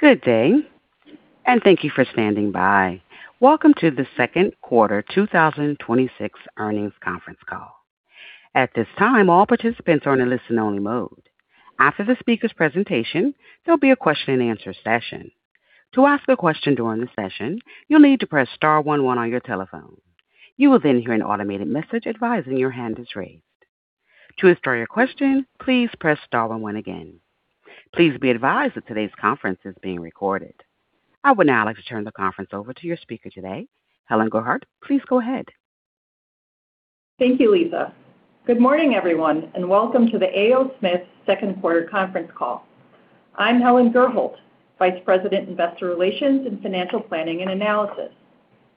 Good day, thank you for standing by. Welcome to the Q2 2026 Earnings Conference Call. At this time, all participants are in a listen-only mode. After the speaker's presentation, there will be a question-and-answer session. To ask a question during the session, you will need to press *11 on your telephone. You will hear an automated message advising your hand is raised. To restore your question, please press *11 again. Please be advised that today's conference is being recorded. I would now like to turn the conference over to your speaker today. Helen Gurholt, please go ahead. Thank you, Lisa. Good morning, everyone, welcome to the A. O. Smith Q2 conference call. I am Helen Gurholt, Vice President, Investor Relations and Financial Planning and Analysis.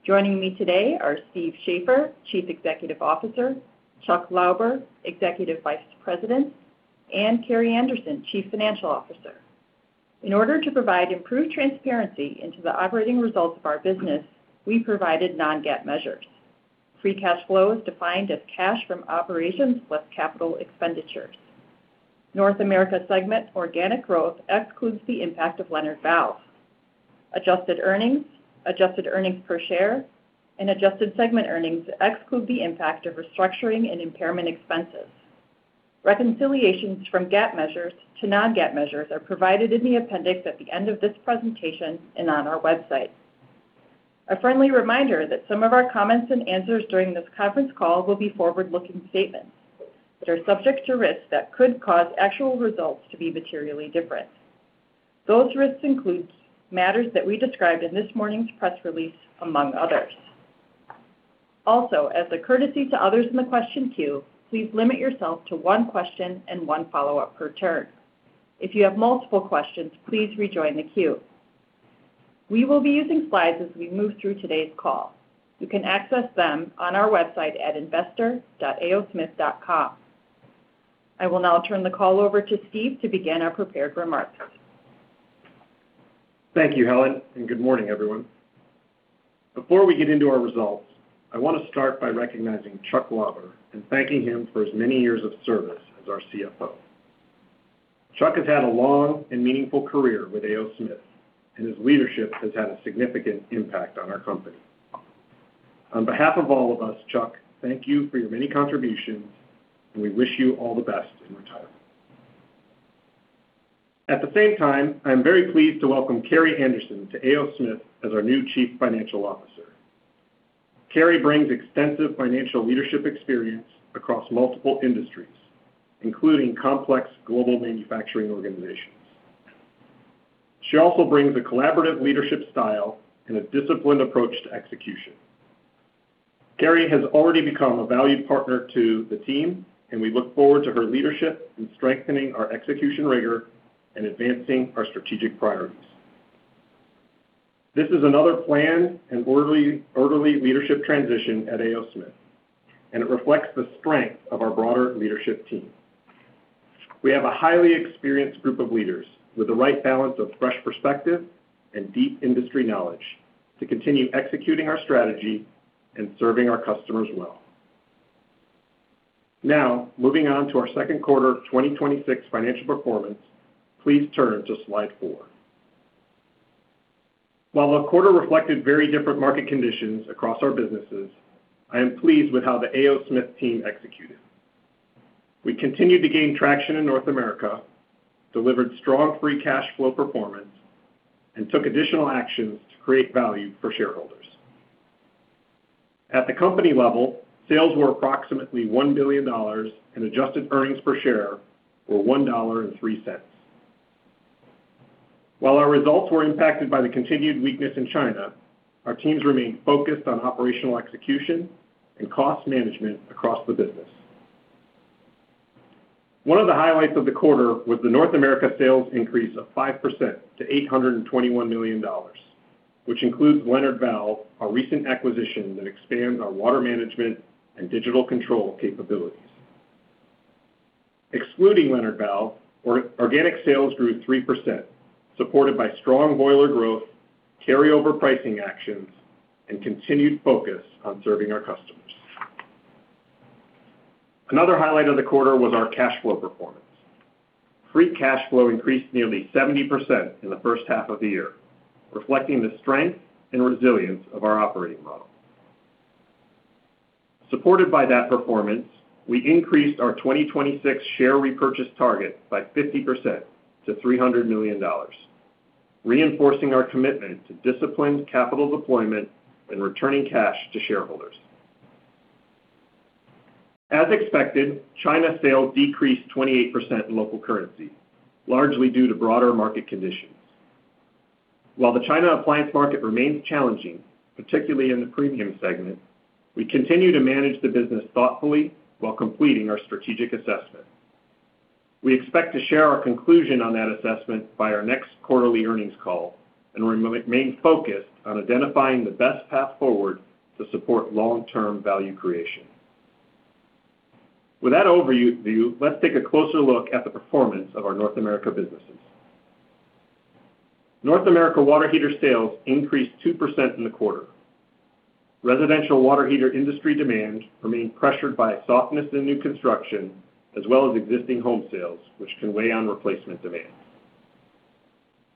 Joining me today are Stephen Shafer, Chief Executive Officer, Chuck Lauber, Executive Vice President, Carrie Anderson, Chief Financial Officer. In order to provide improved transparency into the operating results of our business, we provided non-GAAP measures. Free cash flow is defined as cash from operations plus capital expenditures. North America segment organic growth excludes the impact of Leonard Valve. Adjusted earnings, adjusted earnings per share, adjusted segment earnings exclude the impact of restructuring and impairment expenses. Reconciliations from GAAP measures to non-GAAP measures are provided in the appendix at the end of this presentation and on our website. A friendly reminder that some of our comments and answers during this conference call will be forward-looking statements that are subject to risks that could cause actual results to be materially different. Those risks include matters that we described in this morning's press release, among others. Also, as a courtesy to others in the question queue, please limit yourself to one question and one follow-up per turn. If you have multiple questions, please rejoin the queue. We will be using slides as we move through today's call. You can access them on our website at investors.aosmith.com. I will now turn the call over to Stephen to begin our prepared remarks. Thank you, Helen, good morning, everyone. Before we get into our results, I want to start by recognizing Chuck Lauber and thanking him for his many years of service as our CFO. Chuck has had a long and meaningful career with A. O. Smith, his leadership has had a significant impact on our company. On behalf of all of us, Chuck, thank you for your many contributions, we wish you all the best in retirement. At the same time, I am very pleased to welcome Carrie Anderson to A. O. Smith as our new Chief Financial Officer. Carrie brings extensive financial leadership experience across multiple industries, including complex global manufacturing organizations. She also brings a collaborative leadership style and a disciplined approach to execution. Carrie has already become a valued partner to the team, and we look forward to her leadership in strengthening our execution rigor and advancing our strategic priorities. This is another planned and orderly leadership transition at A. O. Smith, and it reflects the strength of our broader leadership team. We have a highly experienced group of leaders with the right balance of fresh perspective and deep industry knowledge to continue executing our strategy and serving our customers well. Now, moving on to our Q2 2026 financial performance, please turn to slide 4. While the quarter reflected very different market conditions across our businesses, I am pleased with how the A. O. Smith team executed. We continued to gain traction in North America, delivered strong free cash flow performance, and took additional actions to create value for shareholders. At the company level, sales were approximately $1 billion, and adjusted earnings per share were $1.03. While our results were impacted by the continued weakness in China, our teams remain focused on operational execution and cost management across the business. One of the highlights of the quarter was the North America sales increase of 5% to $821 million, which includes Leonard Valve, our recent acquisition that expands our water management and digital control capabilities. Excluding Leonard Valve, organic sales grew 3%, supported by strong boiler growth, carryover pricing actions, and continued focus on serving our customers. Another highlight of the quarter was our cash flow performance. Free cash flow increased nearly 70% in the first half of the year, reflecting the strength and resilience of our operating model. Supported by that performance, we increased our 2026 share repurchase target by 50% to $300 million, reinforcing our commitment to disciplined capital deployment and returning cash to shareholders. As expected, China sales decreased 28% in local currency, largely due to broader market conditions. While the China appliance market remains challenging, particularly in the premium segment, we continue to manage the business thoughtfully while completing our strategic assessment. We expect to share our conclusion on that assessment by our next quarterly earnings call, and remain focused on identifying the best path forward to support long-term value creation. With that overview, let's take a closer look at the performance of our North America businesses. North America water heater sales increased 2% in the quarter. Residential water heater industry demand remained pressured by softness in new construction as well as existing home sales, which can weigh on replacement demand.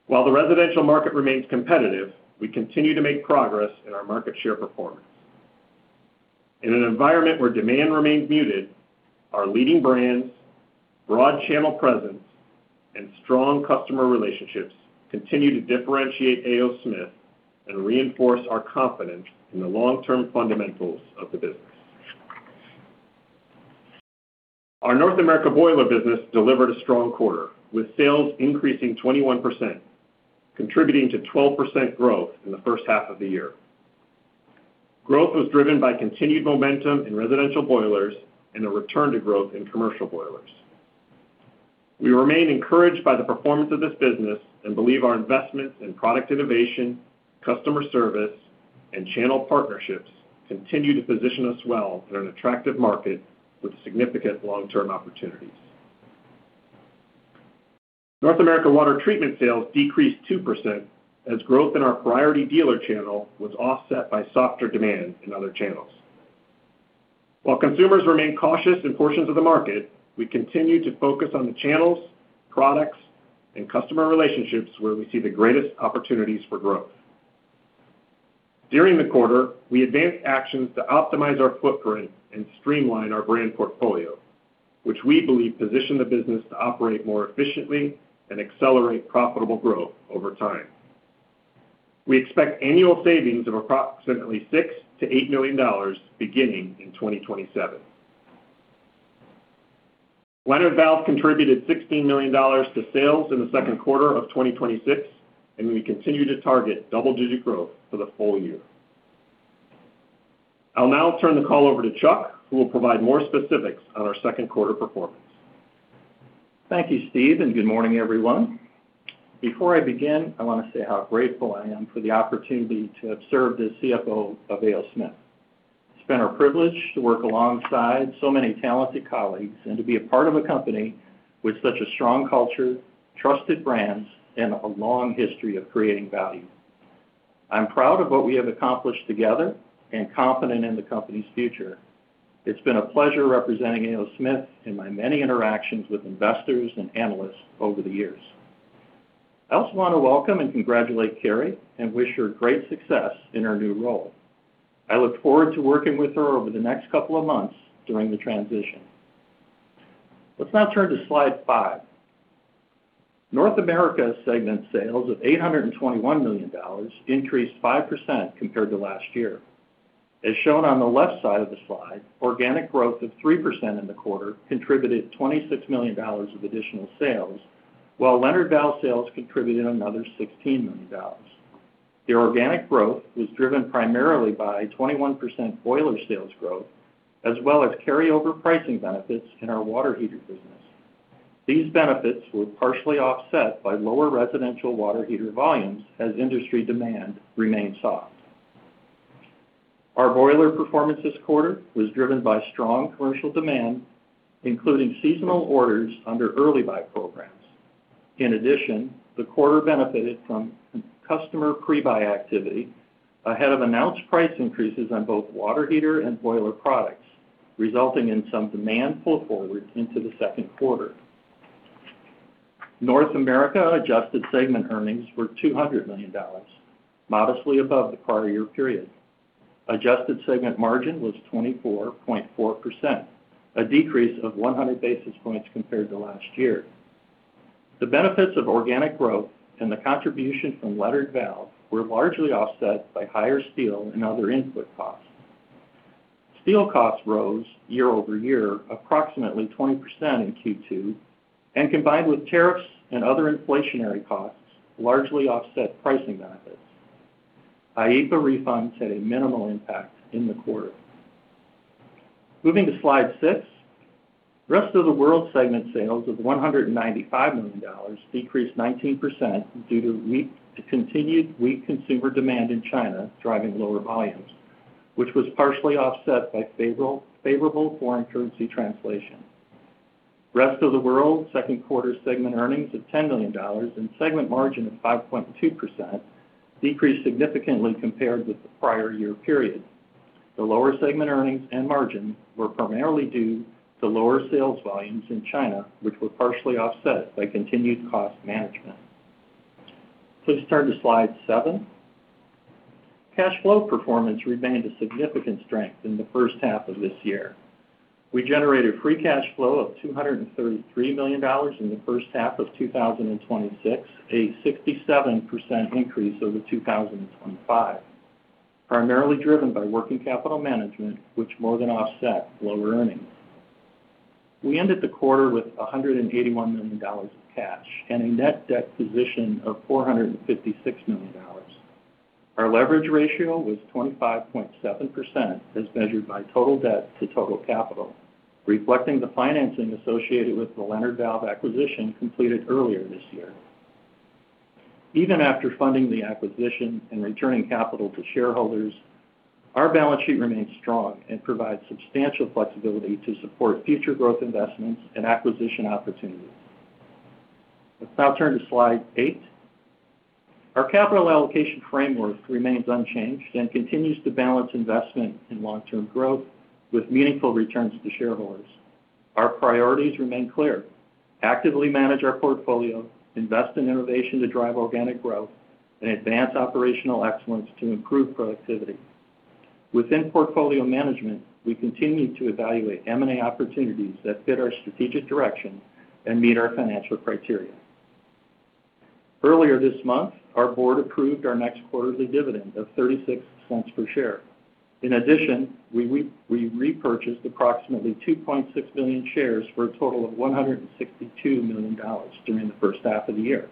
While the residential market remains competitive, we continue to make progress in our market share performance. In an environment where demand remains muted, our leading brands, broad channel presence, and strong customer relationships continue to differentiate A. O. Smith and reinforce our confidence in the long-term fundamentals of the business. Our North America boiler business delivered a strong quarter, with sales increasing 21%, contributing to 12% growth in the first half of the year. Growth was driven by continued momentum in residential boilers and a return to growth in commercial boilers. We remain encouraged by the performance of this business and believe our investments in product innovation, customer service, and channel partnerships continue to position us well in an attractive market with significant long-term opportunities. North America water treatment sales decreased 2% as growth in our priority dealer channel was offset by softer demand in other channels. While consumers remain cautious in portions of the market, we continue to focus on the channels, products, and customer relationships where we see the greatest opportunities for growth. During the quarter, we advanced actions to optimize our footprint and streamline our brand portfolio, which we believe position the business to operate more efficiently and accelerate profitable growth over time. We expect annual savings of approximately $6 million-$8 million beginning in 2027. Leonard Valve contributed $16 million to sales in the Q2 of 2026, and we continue to target double-digit growth for the full year. I'll now turn the call over to Chuck, who will provide more specifics on our Q2 performance. Thank you, Stephen, and good morning, everyone. Before I begin, I want to say how grateful I am for the opportunity to have served as CFO of A. O. Smith. It's been our privilege to work alongside so many talented colleagues and to be a part of a company with such a strong culture, trusted brands, and a long history of creating value. I'm proud of what we have accomplished together and confident in the company's future. It's been a pleasure representing A. O. Smith in my many interactions with investors and analysts over the years. I also want to welcome and congratulate Carrie and wish her great success in her new role. I look forward to working with her over the next couple of months during the transition. Let's now turn to slide 5. North America segment sales of $821 million increased 5% compared to last year. As shown on the left side of the slide, organic growth of 3% in the quarter contributed $26 million of additional sales, while Leonard Valve sales contributed another $16 million. The organic growth was driven primarily by 21% boiler sales growth, as well as carryover pricing benefits in our water heater business. These benefits were partially offset by lower residential water heater volumes as industry demand remained soft. Our boiler performance this quarter was driven by strong commercial demand, including seasonal orders under early buy programs. In addition, the quarter benefited from customer pre-buy activity ahead of announced price increases on both water heater and boiler products, resulting in some demand pull forward into the Q2. North America adjusted segment earnings were $200 million, modestly above the prior year period. Adjusted segment margin was 24.4%, a decrease of 100 basis points compared to last year. The benefits of organic growth and the contribution from Leonard Valve were largely offset by higher steel and other input costs. Steel costs rose year-over-year approximately 20% in Q2, and combined with tariffs and other inflationary costs, largely offset pricing benefits. IEEPA refunds had a minimal impact in the quarter. Moving to slide six. Rest of the World segment sales of $195 million decreased 19% due to continued weak consumer demand in China driving lower volumes, which was partially offset by favorable foreign currency translation. Rest of the World Q2 segment earnings of $10 million and segment margin of 5.2% decreased significantly compared with the prior year period. The lower segment earnings and margin were primarily due to lower sales volumes in China, which were partially offset by continued cost management. Please turn to slide seven. Cash flow performance remained a significant strength in the first half of this year. We generated free cash flow of $233 million in the first half of 2026, a 67% increase over 2025, primarily driven by working capital management, which more than offset lower earnings. We ended the quarter with $181 million in cash and a net debt position of $456 million. Our leverage ratio was 25.7%, as measured by total debt to total capital, reflecting the financing associated with the Leonard Valve acquisition completed earlier this year. Even after funding the acquisition and returning capital to shareholders, our balance sheet remains strong and provides substantial flexibility to support future growth investments and acquisition opportunities. Let's now turn to slide eight. Our capital allocation framework remains unchanged and continues to balance investment in long-term growth with meaningful returns to shareholders. Our priorities remain clear: actively manage our portfolio, invest in innovation to drive organic growth, and advance operational excellence to improve productivity. Within portfolio management, we continue to evaluate M&A opportunities that fit our strategic direction and meet our financial criteria. Earlier this month, our board approved our next quarterly dividend of $0.36 per share. In addition, we repurchased approximately 2.6 million shares for a total of $162 million during the first half of the year.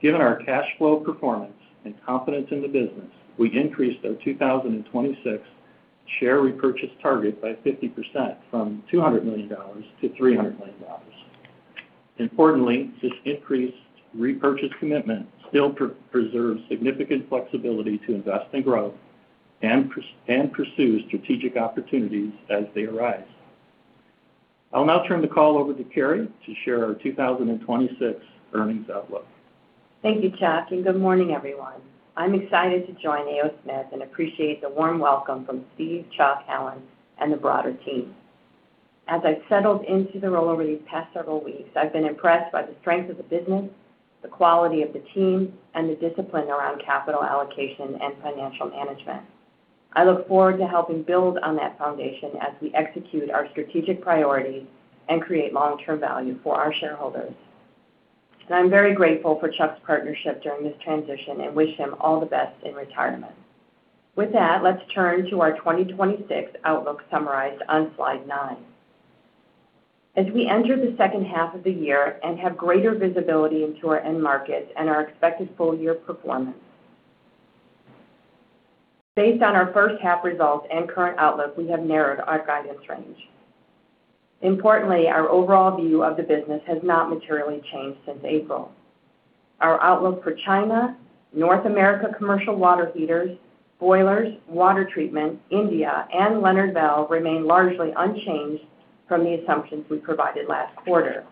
Given our cash flow performance and confidence in the business, we increased our 2026 share repurchase target by 50%, from $200 million to $300 million. Importantly, this increased repurchase commitment still preserves significant flexibility to invest in growth and pursue strategic opportunities as they arise. I'll now turn the call over to Carrie to share our 2026 earnings outlook. Thank you, Chuck, and good morning, everyone. I'm excited to join A. O. Smith and appreciate the warm welcome from Stephen, Chuck, Helen, and the broader team. As I've settled into the role over these past several weeks, I've been impressed by the strength of the business, the quality of the team, and the discipline around capital allocation and financial management. I look forward to helping build on that foundation as we execute our strategic priorities and create long-term value for our shareholders. I'm very grateful for Chuck's partnership during this transition and wish him all the best in retirement. With that, let's turn to our 2026 outlook summarized on slide 9. As we enter the second half of the year and have greater visibility into our end markets and our expected full-year performance, based on our first half results and current outlook, we have narrowed our guidance range. Importantly, our overall view of the business has not materially changed since April. Our outlook for China, North America commercial water heaters, boilers, water treatment, India, and Leonard Valve remain largely unchanged from the assumptions we provided last quarter.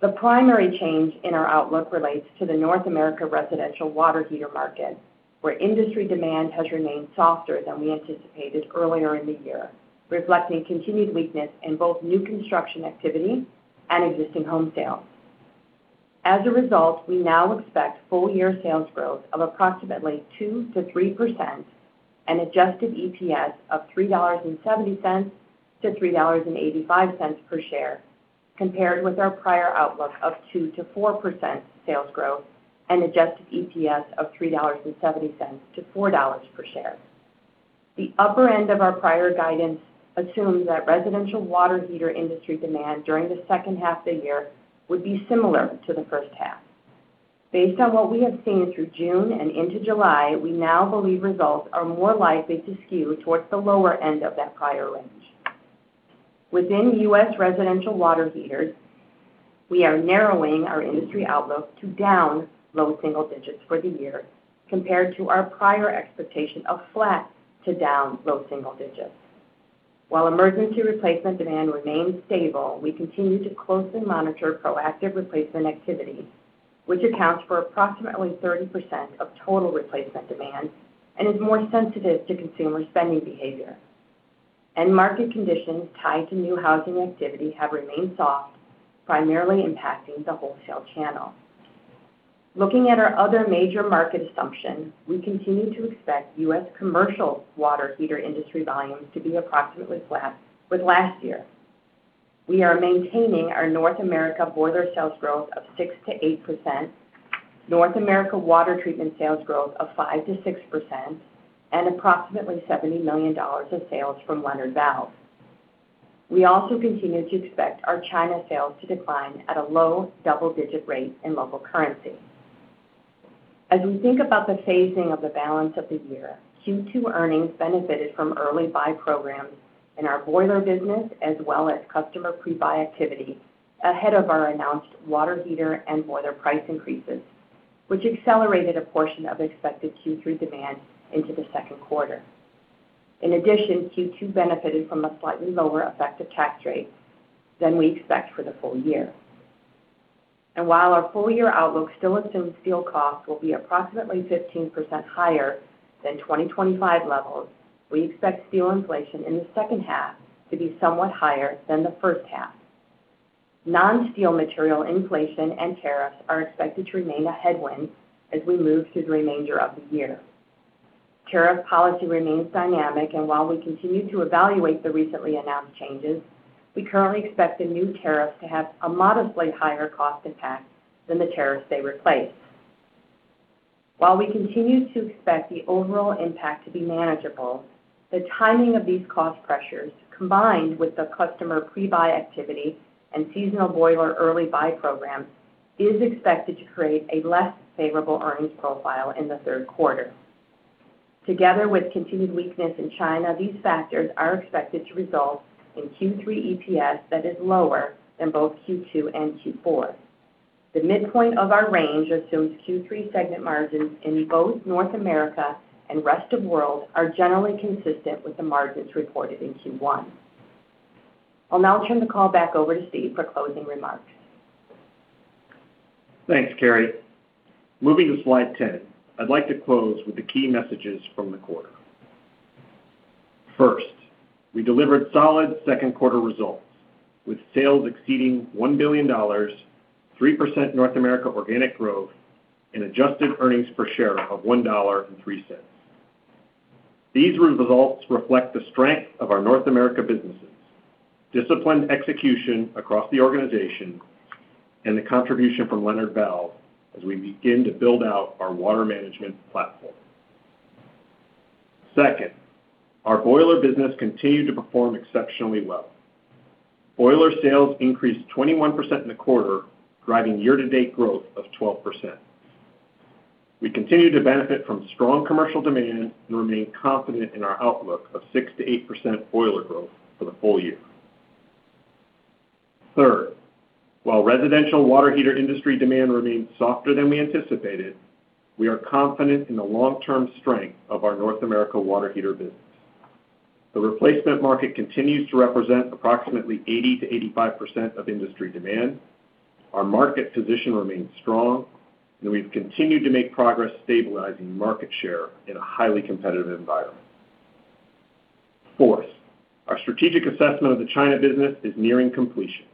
The primary change in our outlook relates to the North America residential water heater market, where industry demand has remained softer than we anticipated earlier in the year, reflecting continued weakness in both new construction activity and existing home sales. As a result, we now expect full-year sales growth of approximately 2%-3% and adjusted EPS of $3.70-$3.85 per share, compared with our prior outlook of 2%-4% sales growth and adjusted EPS of $3.70-$4.00 per share. The upper end of our prior guidance assumes that residential water heater industry demand during the second half of the year would be similar to the first half. Based on what we have seen through June and into July, we now believe results are more likely to skew towards the lower end of that prior range. Within U.S. residential water heaters, we are narrowing our industry outlook to down low double digits for the year, compared to our prior expectation of flat to down low double digits. While emergency replacement demand remains stable, we continue to closely monitor proactive replacement activity, which accounts for approximately 30% of total replacement demand and is more sensitive to consumer spending behavior. End market conditions tied to new housing activity have remained soft, primarily impacting the wholesale channel. Looking at our other major market assumptions, we continue to expect U.S. commercial water heater industry volumes to be approximately flat with last year. We are maintaining our North America boiler sales growth of 6%-8%, North America water treatment sales growth of 5%-6%, and approximately $70 million of sales from Leonard Valve. We also continue to expect our China sales to decline at a low double-digit rate in local currency. As we think about the phasing of the balance of the year, Q2 earnings benefited from early buy programs in our boiler business as well as customer pre-buy activity ahead of our announced water heater and boiler price increases, which accelerated a portion of expected Q3 demand into the Q2. Q2 benefited from a slightly lower effective tax rate than we expect for the full year. While our full-year outlook still assumes steel costs will be approximately 15% higher than 2025 levels, we expect steel inflation in the second half to be somewhat higher than the first half. Non-steel material inflation and tariffs are expected to remain a headwind as we move through the remainder of the year. Tariff policy remains dynamic, and while we continue to evaluate the recently announced changes, we currently expect the new tariffs to have a modestly higher cost impact than the tariffs they replace. While we continue to expect the overall impact to be manageable, the timing of these cost pressures, combined with the customer pre-buy activity and seasonal boiler early buy programs, is expected to create a less favorable earnings profile in the Q3. Together with continued weakness in China, these factors are expected to result in Q3 EPS that is lower than both Q2 and Q4. The midpoint of our range assumes Q3 segment margins in both North America and rest of world are generally consistent with the margins reported in Q1. I'll now turn the call back over to Stephen for closing remarks. Thanks, Carrie. Moving to slide 10, I'd like to close with the key messages from the quarter. First, we delivered solid Q2 results, with sales exceeding $1 billion, 3% North America organic growth, and adjusted earnings per share of $1.03. These results reflect the strength of our North America businesses, disciplined execution across the organization, and the contribution from Leonard Valve as we begin to build out our water management platform. Second, our boiler business continued to perform exceptionally well. Boiler sales increased 21% in the quarter, driving year-to-date growth of 12%. We continue to benefit from strong commercial demand and remain confident in our outlook of 6%-8% boiler growth for the full year. Third, while residential water heater industry demand remains softer than we anticipated, we are confident in the long-term strength of our North America water heater business. The replacement market continues to represent approximately 80%-85% of industry demand. Our market position remains strong, and we've continued to make progress stabilizing market share in a highly competitive environment. Fourth, our strategic assessment of the China business is nearing completion.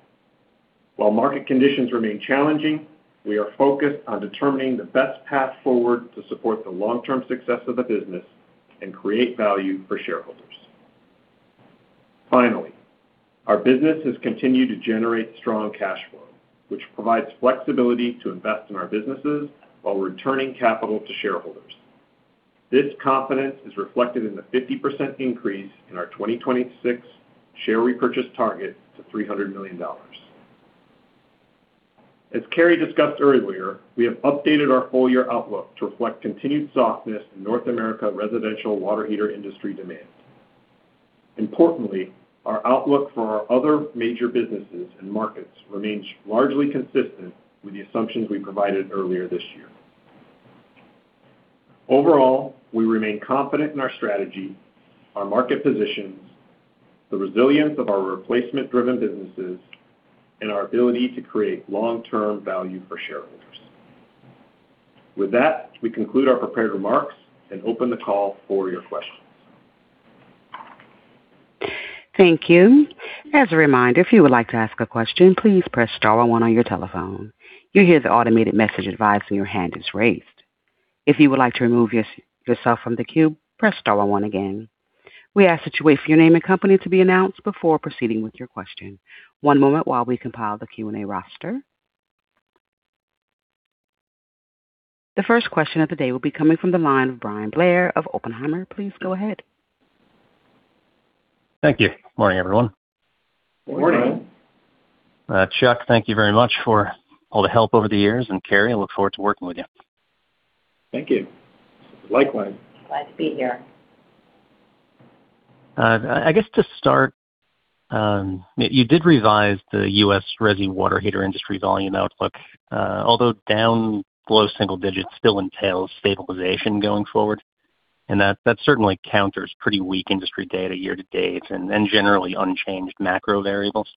While market conditions remain challenging, we are focused on determining the best path forward to support the long-term success of the business and create value for shareholders. Finally, our businesses continue to generate strong cash flow, which provides flexibility to invest in our businesses while returning capital to shareholders. This confidence is reflected in the 50% increase in our 2026 share repurchase target to $300 million. As Carrie discussed earlier, we have updated our full-year outlook to reflect continued softness in North America residential water heater industry demand. Importantly, our outlook for our other major businesses and markets remains largely consistent with the assumptions we provided earlier this year. Overall, we remain confident in our strategy, our market positions, the resilience of our replacement-driven businesses, and our ability to create long-term value for shareholders. With that, we conclude our prepared remarks and open the call for your questions. Thank you. As a reminder, if you would like to ask a question, please press *11 on your telephone. You'll hear the automated message advising your hand is raised. If you would like to remove yourself from the queue, press *11 again. We ask that you wait for your name and company to be announced before proceeding with your question. One moment while we compile the Q&A roster. The first question of the day will be coming from the line of Bryan Blair of Oppenheimer. Please go ahead. Thank you. Morning, everyone. Morning. Chuck, thank you very much for all the help over the years. Carrie, I look forward to working with you. Thank you. Likewise. Glad to be here. I guess to start, you did revise the U.S. resi water heater industry volume outlook. Although down below single digits still entails stabilization going forward, and that certainly counters pretty weak industry data year-to-date and generally unchanged macro variables.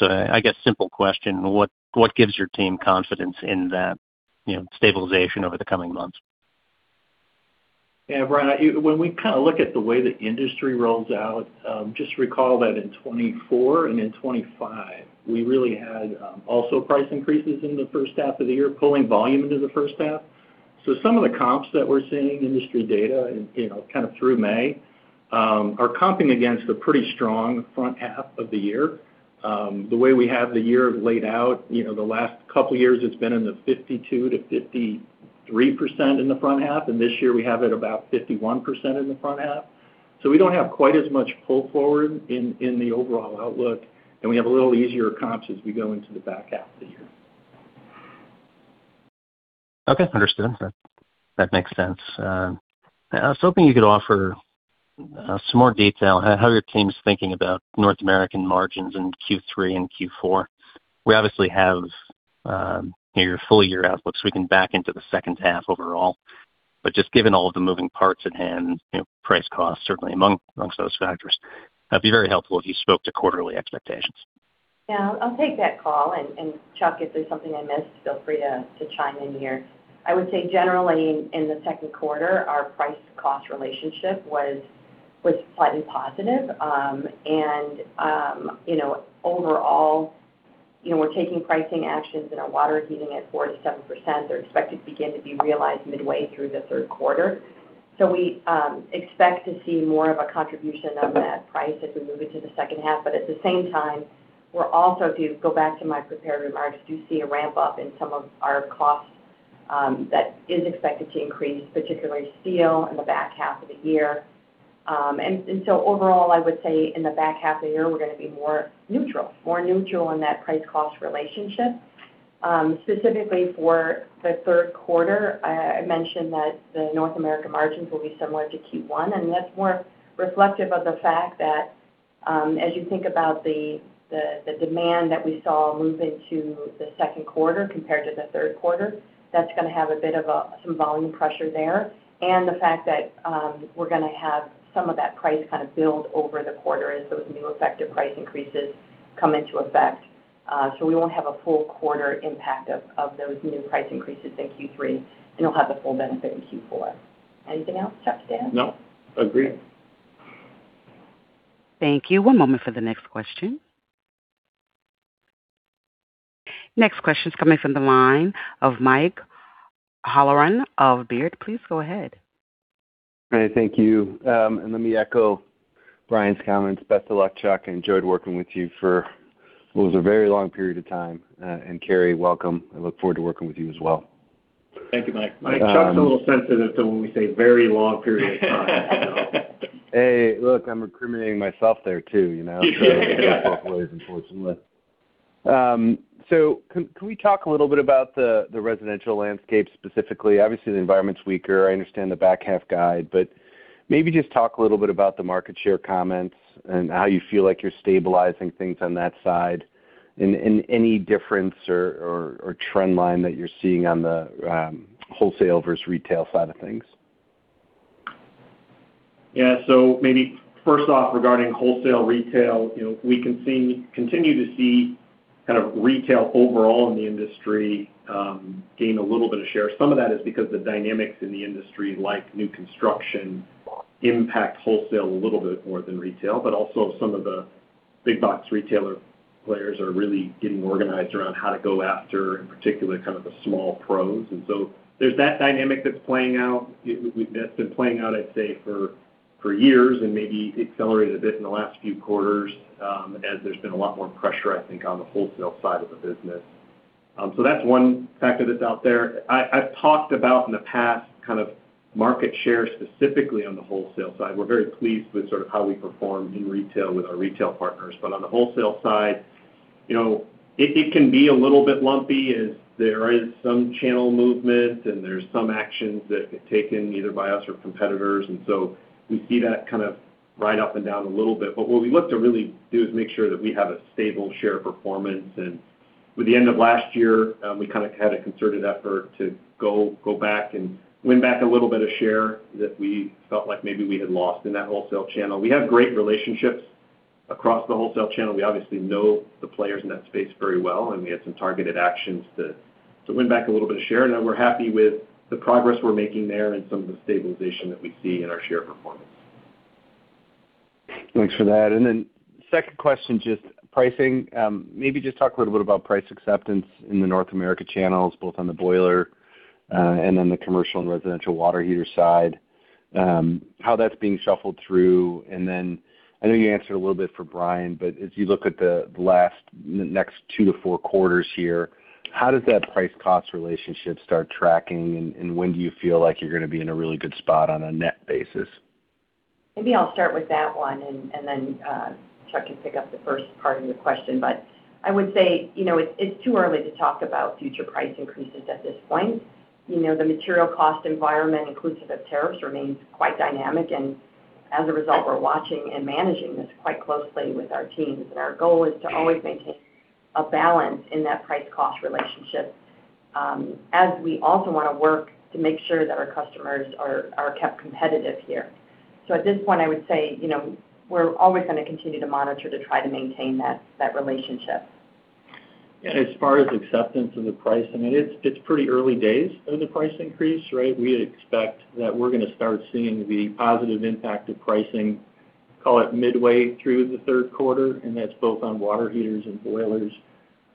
I guess simple question, what gives your team confidence in that stabilization over the coming months? Yeah, Bryan, when we kind of look at the way the industry rolls out, just recall that in 2024 and in 2025, we really had also price increases in the first half of the year, pulling volume into the first half. Some of the comps that we're seeing, industry data kind of through May, are comping against a pretty strong front half of the year. The way we have the year laid out, the last couple years it's been in the 52%-53% in the front half, and this year we have it about 51% in the front half. We don't have quite as much pull forward in the overall outlook, and we have a little easier comps as we go into the back half of the year. Okay, understood. That makes sense. I was hoping you could offer some more detail on how your team's thinking about North American margins in Q3 and Q4. We obviously have your full year outlook, we can back into the second half overall. Just given all of the moving parts at hand, price cost certainly amongst those factors, that would be very helpful if you spoke to quarterly expectations. Yeah, I'll take that call. Chuck, if there's something I missed, feel free to chime in here. I would say generally in the Q2, our price cost relationship was slightly positive. Overall, we're taking pricing actions in our water heating at 4%-7%. They're expected to begin to be realized midway through the Q3. We expect to see more of a contribution of that price as we move into the second half. At the same time, we're also, to go back to my prepared remarks, do see a ramp up in some of our costs that is expected to increase, particularly steel in the back half of the year. Overall, I would say in the back half of the year, we're going to be more neutral in that price cost relationship. Specifically for the Q3, I mentioned that the North America margins will be similar to Q1, and that's more reflective of the fact that, as you think about the demand that we saw move into the Q2 compared to the Q3, that's going to have a bit of some volume pressure there, and the fact that we're going to have some of that price kind of build over the quarter as those new effective price increases come into effect. We won't have a full quarter impact of those new price increases in Q3, and we'll have the full benefit in Q4. Anything else, Chuck, to add? No. Agree. Thank you. One moment for the next question. Next question's coming from the line of Mike Halloran of Baird. Please go ahead. All right. Thank you. Let me echo Bryan's comments. Best of luck, Chuck. I enjoyed working with you for what was a very long period of time. Carrie, welcome. I look forward to working with you as well. Thank you, Mike. Mike, Chuck's a little sensitive to when we say very long period of time. Hey, look, I'm incriminating myself there too. It goes both ways, unfortunately. Can we talk a little bit about the residential landscape specifically? Obviously, the environment's weaker. I understand the back half guide, but maybe just talk a little bit about the market share comments and how you feel like you're stabilizing things on that side and any difference or trend line that you're seeing on the wholesale versus retail side of things. Yeah. Maybe first off, regarding wholesale retail, we continue to see kind of retail overall in the industry gain a little bit of share. Some of that is because the dynamics in the industry, like new construction, impact wholesale a little bit more than retail, but also some of the big box retailer players are really getting organized around how to go after, in particular, kind of the small pros. There's that dynamic that's been playing out, I'd say, for years and maybe accelerated a bit in the last few quarters as there's been a lot more pressure, I think, on the wholesale side of the business. That's one factor that's out there. I've talked about in the past kind of market share specifically on the wholesale side. We're very pleased with sort of how we perform in retail with our retail partners. On the wholesale side, it can be a little bit lumpy as there is some channel movement and there's some actions that get taken either by us or competitors. We see that kind of ride up and down a little bit. What we look to really do is make sure that we have a stable share performance. With the end of last year, we kind of had a concerted effort to go back and win back a little bit of share that we felt like maybe we had lost in that wholesale channel. We have great relationships across the wholesale channel. We obviously know the players in that space very well, and we had some targeted actions to win back a little bit of share. We're happy with the progress we're making there and some of the stabilization that we see in our share performance. Thanks for that. Second question, just pricing. Maybe just talk a little bit about price acceptance in the North America channels, both on the boiler and then the commercial and residential water heater side, how that's being shuffled through. I know you answered a little bit for Bryan, but as you look at the next two to four quarters here, how does that price-cost relationship start tracking, and when do you feel like you're going to be in a really good spot on a net basis? Maybe I'll start with that one, and then Chuck can pick up the first part of your question. I would say it's too early to talk about future price increases at this point. The material cost environment inclusive of tariffs remains quite dynamic, and as a result, we're watching and managing this quite closely with our teams. Our goal is to always maintain a balance in that price-cost relationship as we also want to work to make sure that our customers are kept competitive here. At this point, I would say we're always going to continue to monitor to try to maintain that relationship. As far as acceptance of the price, it's pretty early days of the price increase, right? We expect that we're going to start seeing the positive impact of pricing, call it midway through the Q3, and that's both on water heaters and boilers.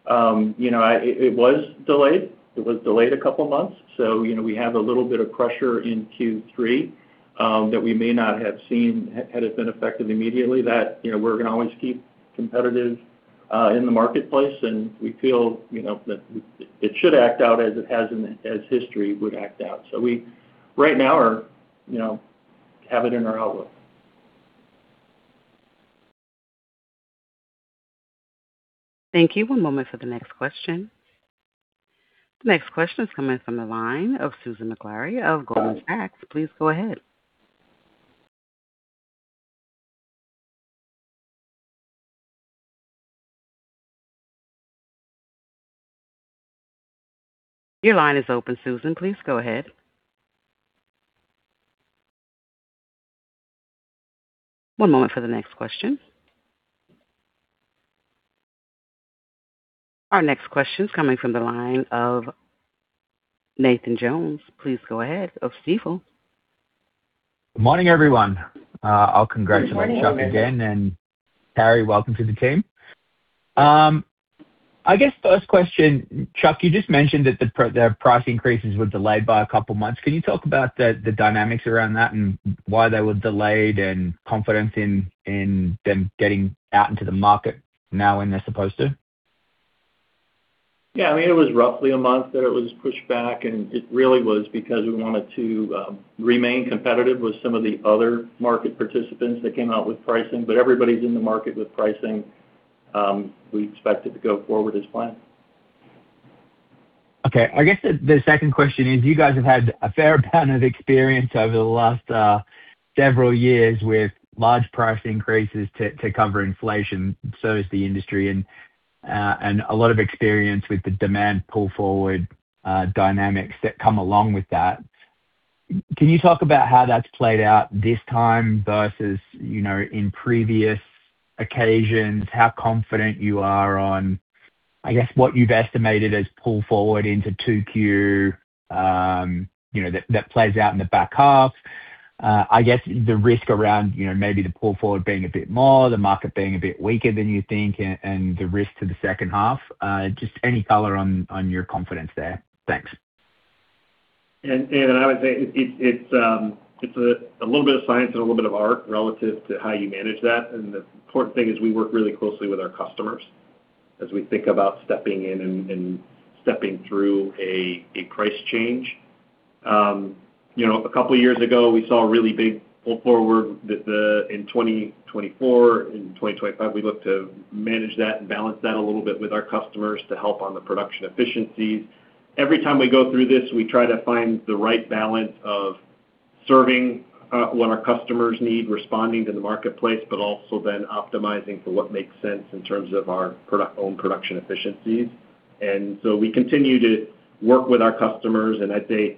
It was delayed. It was delayed a couple of months. We have a little bit of pressure in Q3 that we may not have seen had it been effective immediately, that we're going to always keep competitive in the marketplace, and we feel that it should act out as history would act out. We right now have it in our outlook. Thank you. One moment for the next question. The next question is coming from the line of Susan Maklari of Goldman Sachs. Please go ahead. Your line is open, Susan. Please go ahead. One moment for the next question. Our next question is coming from the line of Nathan Jones. Please go ahead, of Stifel. Good morning, everyone. I'll congratulate Chuck again. Good morning. Carrie, welcome to the team. I guess first question, Chuck, you just mentioned that the price increases were delayed by a couple of months. Can you talk about the dynamics around that and why they were delayed and confidence in them getting out into the market now when they're supposed to? Yeah. It was roughly a month that it was pushed back, and it really was because we wanted to remain competitive with some of the other market participants that came out with pricing. Everybody's in the market with pricing. We expect it to go forward as planned. Okay. I guess the second question is, you guys have had a fair amount of experience over the last several years with large price increases to cover inflation. Has the industry, and a lot of experience with the demand pull-forward dynamics that come along with that. Can you talk about how that's played out this time versus in previous occasions, how confident you are on, I guess, what you've estimated as pull forward into Q2 that plays out in the back half? I guess the risk around maybe the pull forward being a bit more, the market being a bit weaker than you think, and the risk to the second half. Just any color on your confidence there. Thanks. Nathan, I would say it's a little bit of science and a little bit of art relative to how you manage that. The important thing is we work really closely with our customers as we think about stepping in and stepping through a price change. A couple of years ago, we saw a really big pull forward. In 2024 and 2025, we look to manage that and balance that a little bit with our customers to help on the production efficiencies. Every time we go through this, we try to find the right balance of serving what our customers need, responding to the marketplace, but also then optimizing for what makes sense in terms of our own production efficiencies. We continue to work with our customers, and I'd say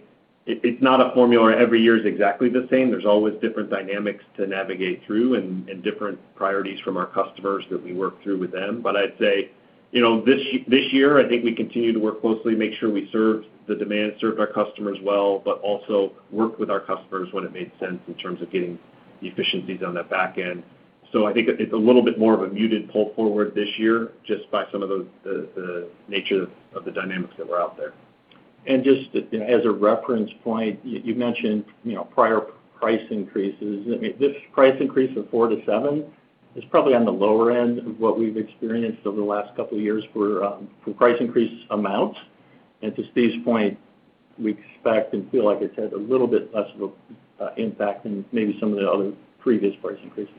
it's not a formula every year is exactly the same. There's always different dynamics to navigate through and different priorities from our customers that we work through with them. I'd say, this year, I think we continue to work closely, make sure we serve the demand, serve our customers well, but also work with our customers when it made sense in terms of getting the efficiencies on that back end. I think it's a little bit more of a muted pull forward this year, just by some of the nature of the dynamics that were out there. Just as a reference point, you mentioned prior price increases. This price increase of 4-7 is probably on the lower end of what we've experienced over the last couple of years for price increase amounts. To Stephen's point, we expect and feel like it's had a little bit less of an impact than maybe some of the other previous price increases.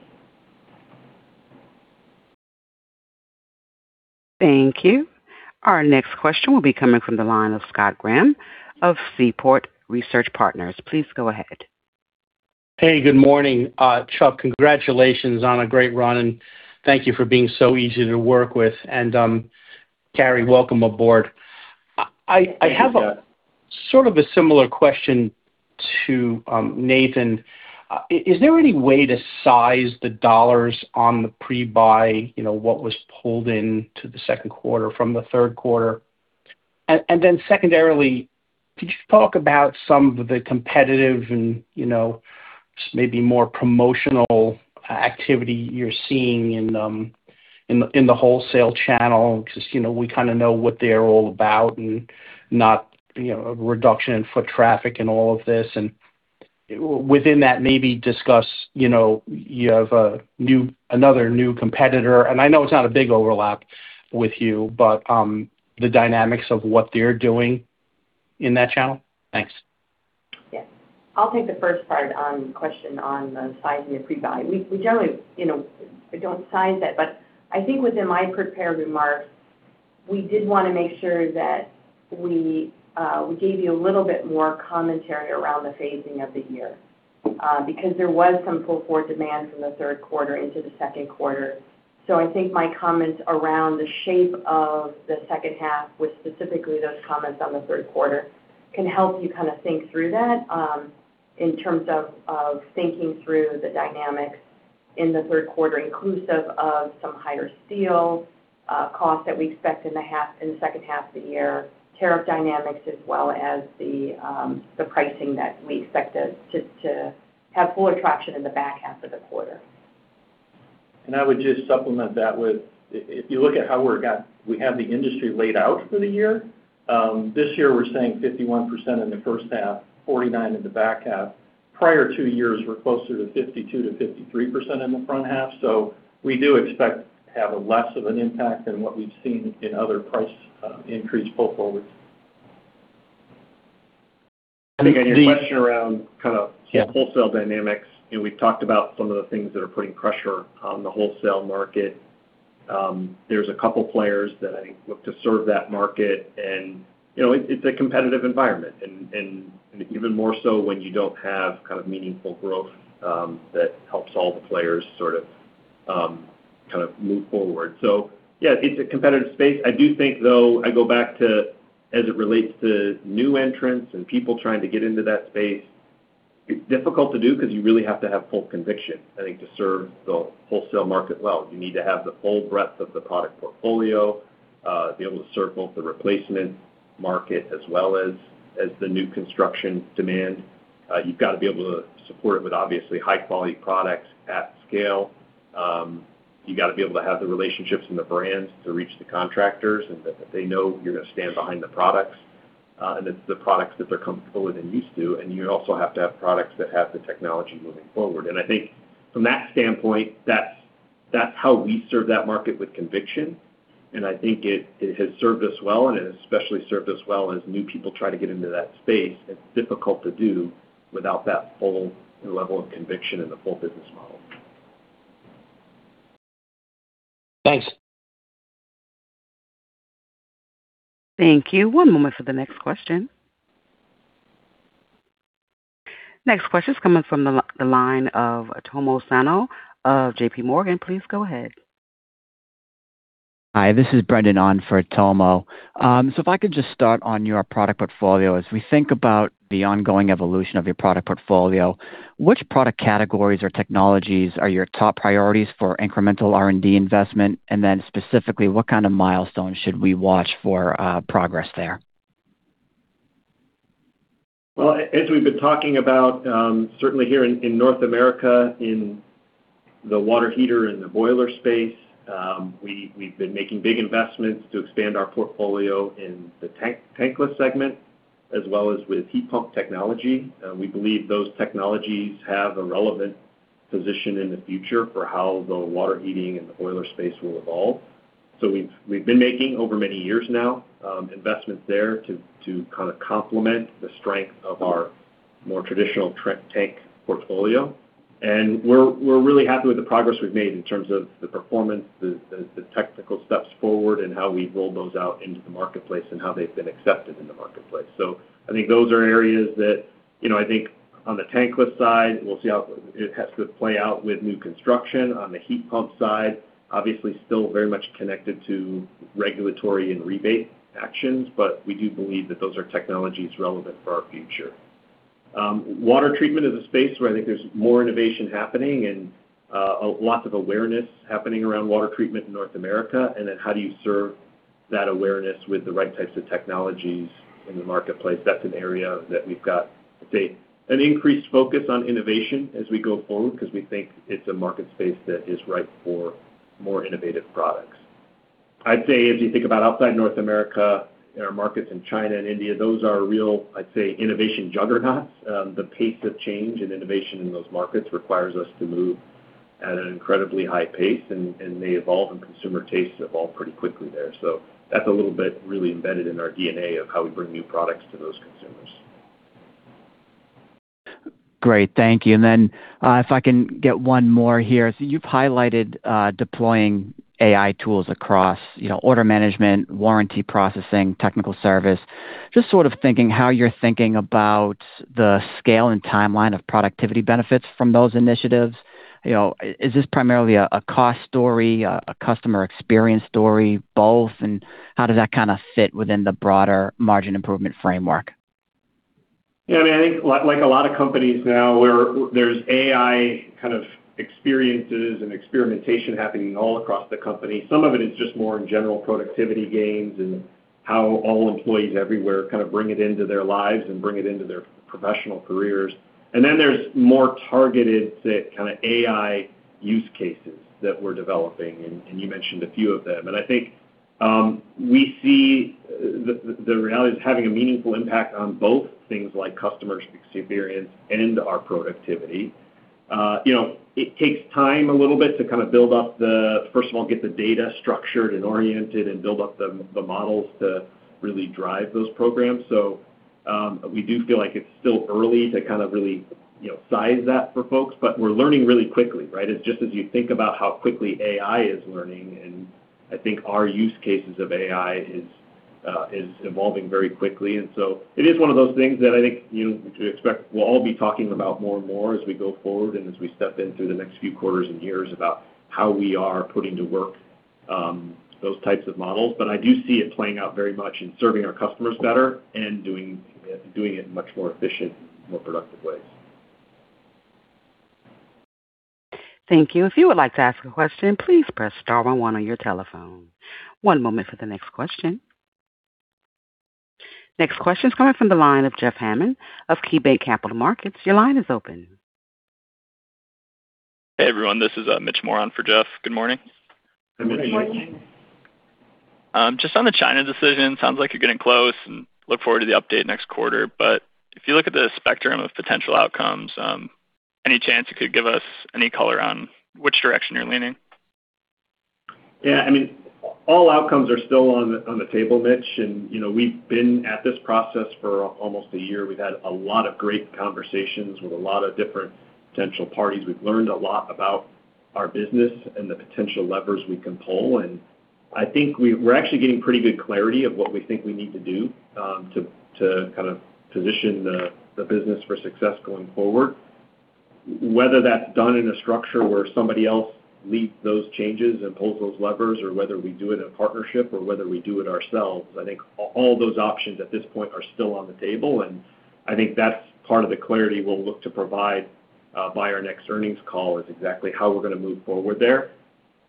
Thank you. Our next question will be coming from the line of Scott Graham of Seaport Research Partners. Please go ahead. Hey, good morning. Chuck, congratulations on a great run, thank you for being so easy to work with. Carrie, welcome aboard. I have a sort of a similar question to Nathan. Is there any way to size the dollars on the pre-buy, what was pulled into the Q2 from the Q3? Secondarily, could you talk about some of the competitive and maybe more promotional activity you're seeing in the wholesale channel? Because we kind of know what they're all about and not a reduction in foot traffic and all of this. Within that, maybe discuss, you have another new competitor, and I know it's not a big overlap with you, but the dynamics of what they're doing in that channel. Thanks. I'll take the first part on question on the sizing of pre-buy. We generally don't size that, but I think within my prepared remarks, we did want to make sure that we gave you a little bit more commentary around the phasing of the year because there was some pull-forward demand from the Q3 into the Q2. I think my comments around the shape of the second half, with specifically those comments on the Q3, can help you kind of think through that in terms of thinking through the dynamics in the Q3, inclusive of some higher steel costs that we expect in the second half of the year, tariff dynamics, as well as the pricing that we expect to have full attraction in the back half of the quarter. I would just supplement that with, if you look at how we have the industry laid out for the year, this year, we're saying 51% in the first half, 49% in the back half. Prior two years were closer to 52%-53% in the front half. We do expect to have less of an impact than what we've seen in other price increase pull forwards. Your question around wholesale dynamics, we've talked about some of the things that are putting pressure on the wholesale market. There's a couple players that I think look to serve that market, and it's a competitive environment, and even more so when you don't have meaningful growth that helps all the players sort of move forward. Yeah, it's a competitive space. I do think, though, I go back to as it relates to new entrants and people trying to get into that space, it's difficult to do because you really have to have full conviction. I think to serve the wholesale market well, you need to have the full breadth of the product portfolio, be able to serve both the replacement market as well as the new construction demand. You've got to be able to support it with obviously high-quality products at scale. You got to be able to have the relationships and the brands to reach the contractors and that they know you're going to stand behind the products, and it's the products that they're comfortable with and used to. You also have to have products that have the technology moving forward. I think from that standpoint, that's how we serve that market with conviction, and I think it has served us well, and it especially served us well as new people try to get into that space. It's difficult to do without that full level of conviction and the full business model. Thanks. Thank you. One moment for the next question. Next question is coming from the line of Tomo Sano of JPMorgan. Please go ahead. Hi, this is Brendon Ahn for Tomo. If I could just start on your product portfolio. As we think about the ongoing evolution of your product portfolio, which product categories or technologies are your top priorities for incremental R&D investment? Specifically, what kind of milestones should we watch for progress there? Well, as we've been talking about, certainly here in North America, in the water heater and the boiler space, we've been making big investments to expand our portfolio in the tankless segment as well as with heat pump technology. We believe those technologies have a relevant position in the future for how the water heating and the boiler space will evolve. We've been making, over many years now, investments there to kind of complement the strength of our more traditional tank portfolio. We're really happy with the progress we've made in terms of the performance, the technical steps forward, and how we've rolled those out into the marketplace and how they've been accepted in the marketplace. I think those are areas that, I think on the tankless side, we'll see how it has to play out with new construction. On the heat pump side, obviously still very much connected to regulatory and rebate actions. We do believe that those are technologies relevant for our future. Water treatment is a space where I think there's more innovation happening and lots of awareness happening around water treatment in North America. How do you serve that awareness with the right types of technologies in the marketplace? That's an area that we've got, I'd say, an increased focus on innovation as we go forward because we think it's a market space that is ripe for more innovative products. I'd say if you think about outside North America, in our markets in China and India, those are real, I'd say, innovation juggernauts. The pace of change and innovation in those markets requires us to move at an incredibly high pace, and they evolve, and consumer tastes evolve pretty quickly there. That's a little bit really embedded in our DNA of how we bring new products to those consumers. Great. Thank you. Then if I can get one more here. You've highlighted deploying AI tools across order management, warranty processing, technical service. Just sort of thinking how you are thinking about the scale and timeline of productivity benefits from those initiatives. Is this primarily a cost story, a customer experience story, both? How does that kind of fit within the broader margin improvement framework? I think like a lot of companies now where there is AI kind of experiences and experimentation happening all across the company. Some of it is just more in general productivity gains and how all employees everywhere kind of bring it into their lives and bring it into their professional careers. There is more targeted set kind of AI use cases that we are developing, and you mentioned a few of them. I think we see the reality is having a meaningful impact on both things like customer experience and our productivity. It takes time a little bit to kind of build up first of all, get the data structured and oriented and build up the models to really drive those programs. We do feel like it is still early to kind of really size that for folks, but we are learning really quickly, right? It is just as you think about how quickly AI is learning, and I think our use cases of AI is evolving very quickly. It is one of those things that I think you expect we will all be talking about more and more as we go forward and as we step into the next few quarters and years about how we are putting to work those types of models. I do see it playing out very much in serving our customers better and doing it in much more efficient and more productive ways. Thank you. If you would like to ask a question, please press *11 on your telephone. One moment for the next question. Next question is coming from the line of Jeff Hammond of KeyBanc Capital Markets. Your line is open. Hey, everyone. This is Mitch Moran for Jeff. Good morning. Good morning. Good morning. Just on the China decision, sounds like you're getting close and look forward to the update next quarter. If you look at the spectrum of potential outcomes, any chance you could give us any color on which direction you're leaning? Yeah, all outcomes are still on the table, Mitch. We've been at this process for almost a year. We've had a lot of great conversations with a lot of different potential parties. We've learned a lot about our business and the potential levers we can pull. I think we're actually getting pretty good clarity of what we think we need to do to kind of position the business for success going forward. Whether that's done in a structure where somebody else leads those changes and pulls those levers, or whether we do it in partnership or whether we do it ourselves, I think all those options at this point are still on the table, and I think that's part of the clarity we'll look to provide by our next earnings call is exactly how we're going to move forward there.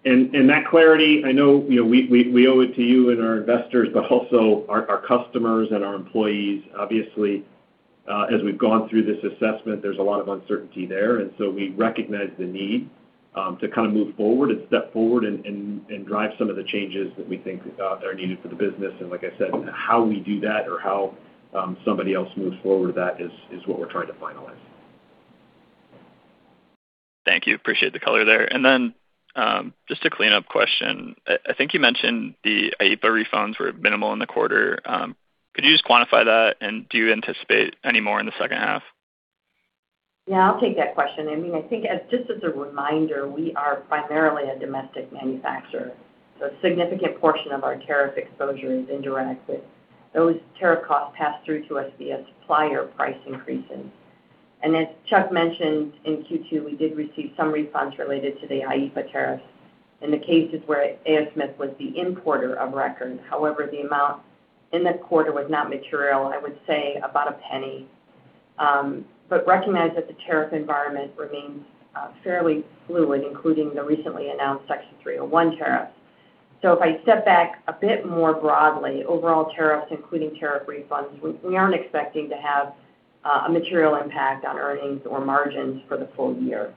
That clarity, I know we owe it to you and our investors, but also our customers and our employees. Obviously, as we've gone through this assessment, there's a lot of uncertainty there, we recognize the need to kind of move forward and step forward and drive some of the changes that we think are needed for the business. Like I said, how we do that or how somebody else moves forward with that is what we're trying to finalize. Thank you. Appreciate the color there. Just a cleanup question. I think you mentioned the IEEPA refunds were minimal in the quarter. Could you just quantify that? Do you anticipate any more in the second half? Yeah, I'll take that question. I think just as a reminder, we are primarily a domestic manufacturer. A significant portion of our tariff exposure is indirect, with those tariff costs passed through to us via supplier price increases. As Chuck mentioned, in Q2, we did receive some refunds related to the IEEPA tariffs in the cases where A. O. Smith was the importer of record. However, the amount in this quarter was not material. I would say about $0.01. Recognize that the tariff environment remains fairly fluid, including the recently announced Section 301 tariff. If I step back a bit more broadly, overall tariffs, including tariff refunds, we aren't expecting to have a material impact on earnings or margins for the full year.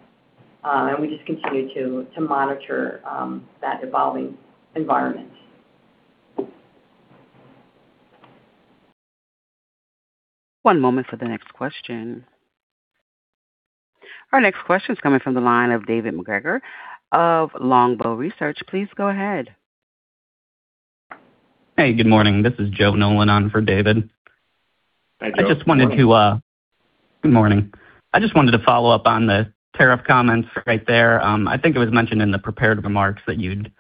We just continue to monitor that evolving environment. One moment for the next question. Our next question's coming from the line of David MacGregor of Longbow Research. Please go ahead. Hey, good morning. This is Joe Nolan on for David. Hi, Joe. Good morning. Good morning. I just wanted to follow up on the tariff comments right there. I think it was mentioned in the prepared remarks that you'd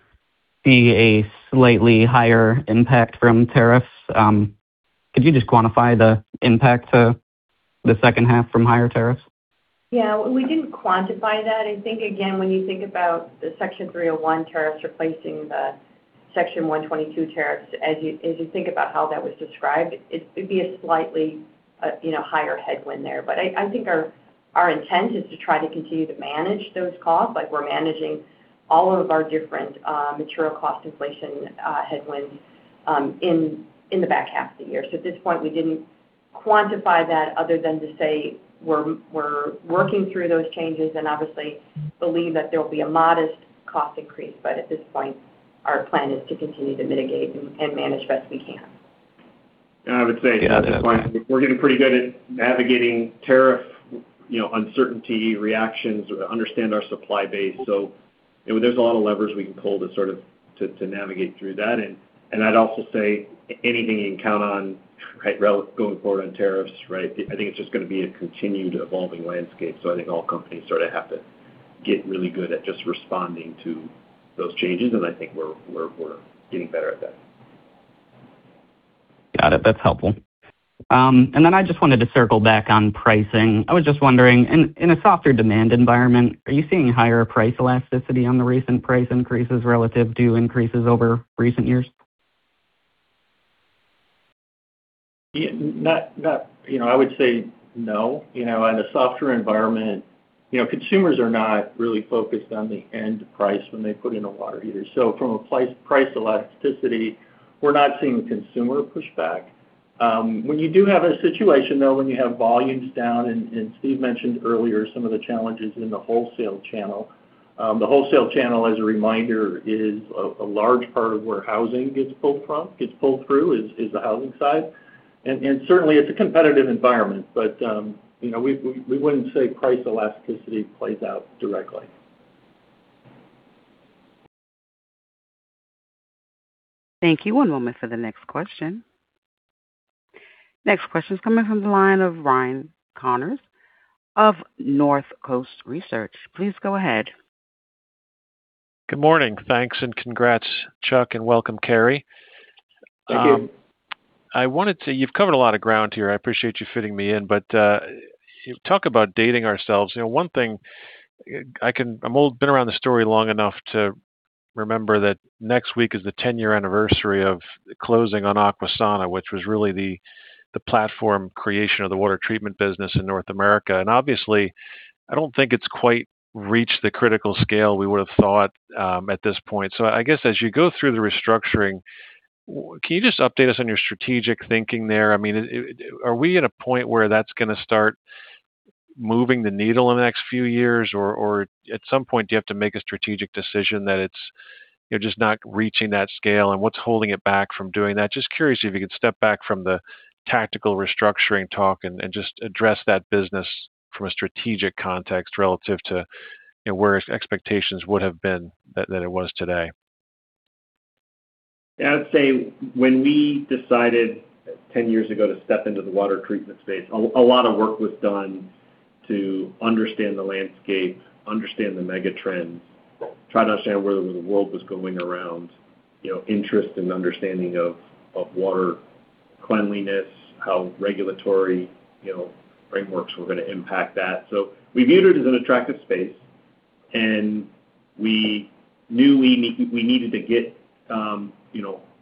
see a slightly higher impact from tariffs. Could you just quantify the impact to the second half from higher tariffs? We didn't quantify that. I think, again, when you think about the Section 301 tariffs replacing the Section 232 tariffs, as you think about how that was described, it'd be a slightly higher headwind there. I think our intent is to try to continue to manage those costs, like we're managing all of our different material cost inflation headwinds in the back half of the year. At this point, we didn't quantify that other than to say we're working through those changes and obviously believe that there'll be a modest cost increase. At this point, our plan is to continue to mitigate and manage best we can. I would say we're getting pretty good at navigating tariff uncertainty, reactions, or understand our supply base. There's a lot of levers we can pull to sort of navigate through that. I'd also say anything you can count on going forward on tariffs, right? I think it's just going to be a continued evolving landscape. I think all companies sort of have to get really good at just responding to those changes. I think we're getting better at that. Got it. That's helpful. I just wanted to circle back on pricing. I was just wondering, in a softer demand environment, are you seeing higher price elasticity on the recent price increases relative to increases over recent years? I would say no. In a softer environment, consumers are not really focused on the end price when they put in a water heater. From a price elasticity, we're not seeing the consumer push back. When you do have a situation, though, when you have volumes down, Stephen mentioned earlier some of the challenges in the wholesale channel. The wholesale channel, as a reminder, is a large part of where housing gets pulled through, is the housing side. Certainly, it's a competitive environment, but we wouldn't say price elasticity plays out directly. Thank you. One moment for the next question. Next question's coming from the line of Ryan Connors of Northcoast Research. Please go ahead. Good morning. Thanks, and congrats, Chuck, and welcome, Carrie. Thank you. You've covered a lot of ground here. I appreciate you fitting me in. Talk about dating ourselves. One thing, I've been around the story long enough to remember that next week is the 10-year anniversary of closing on Aquasana, which was really the platform creation of the water treatment business in North America. Obviously, I don't think it's quite reached the critical scale we would've thought at this point. I guess as you go through the restructuring, can you just update us on your strategic thinking there? Are we at a point where that's going to start moving the needle in the next few years? At some point, do you have to make a strategic decision that it's just not reaching that scale, and what's holding it back from doing that? Just curious if you could step back from the tactical restructuring talk and just address that business from a strategic context relative to where expectations would have been than it was today. Yeah. I'd say when we decided 10 years ago to step into the water treatment space, a lot of work was done to understand the landscape, understand the mega trends, try to understand where the world was going around interest and understanding of water cleanliness, how regulatory frameworks were going to impact that. We viewed it as an attractive space, and we knew we needed to get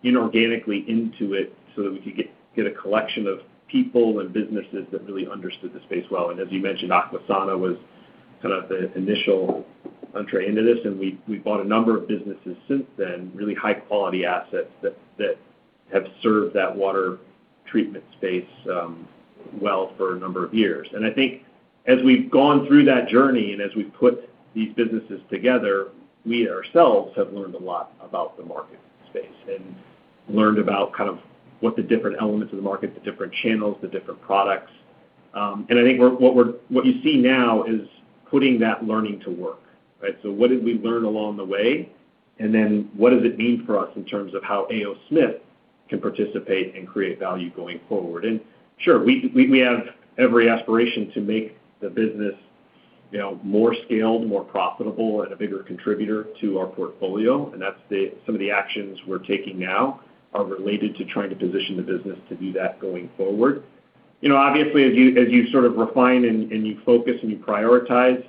inorganically into it so that we could get a collection of people and businesses that really understood the space well. As you mentioned, Aquasana was kind of the initial entree into this, and we bought a number of businesses since then, really high-quality assets that have served that water treatment space well for a number of years. As we've gone through that journey and as we've put these businesses together, we ourselves have learned a lot about the market space and learned about kind of what the different elements of the market, the different channels, the different products. I think what you see now is putting that learning to work, right? What did we learn along the way, what does it mean for us in terms of how A. O. Smith can participate and create value going forward? Sure, we have every aspiration to make the business more scaled, more profitable, and a bigger contributor to our portfolio. Some of the actions we're taking now are related to trying to position the business to do that going forward. Obviously, as you refine and you focus and you prioritize,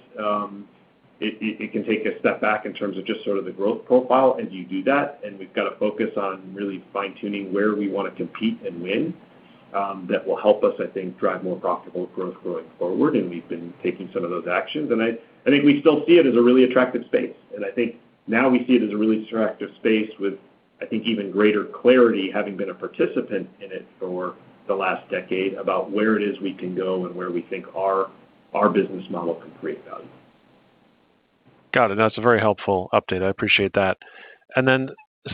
it can take a step back in terms of just sort of the growth profile as you do that. We've got to focus on really fine-tuning where we want to compete and win. That will help us, I think, drive more profitable growth going forward. We've been taking some of those actions. I think we still see it as a really attractive space. I think now we see it as a really attractive space with, I think, even greater clarity, having been a participant in it for the last decade, about where it is we can go and where we think our business model can create value. Got it. That's a very helpful update. I appreciate that.